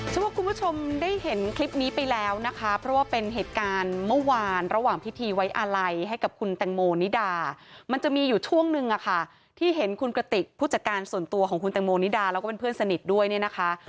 คุณผู้ชมว่าคุณผู้ชมได้เห็นคลิปนี้ไปแล้วนะคะเพราะว่าเป็นเหตุการณ์เมื่อวานระหว่างพิธีไว้อาลัยให้กับคุณแตงโมนิดามันจะมีอยู่ช่วงนึงอะค่ะที่เห็นคุณกระติกผู้จัดการส่วนตัวของคุณแตงโมนิดาแล้วก็เป็นเพื่อนสนิทด้วยเนี่ยนะคะ